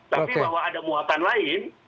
tapi bahwa ada muatan lain